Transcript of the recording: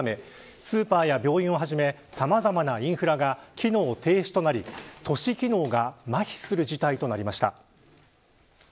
スーパーや病院をはじめさまざまなインフラが機能停止となり都市機能がまひする事態となりました。